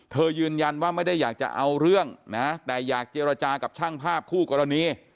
ยืนยันว่าไม่ได้อยากจะเอาเรื่องนะแต่อยากเจรจากับช่างภาพคู่กรณี